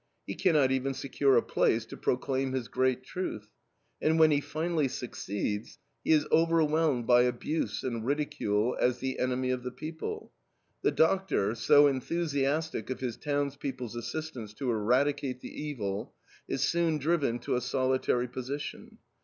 He cannot even secure a place to proclaim his great truth. And when he finally succeeds, he is overwhelmed by abuse and ridicule as the enemy of the people. The doctor, so enthusiastic of his townspeople's assistance to eradicate the evil, is soon driven to a solitary position.